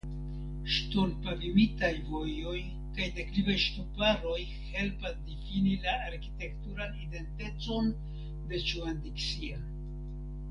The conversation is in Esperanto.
Ŝtonpavimitaj vojoj kaj deklivaj ŝtuparoj helpas difini la arkitekturan identecon de Ĉuandiksia.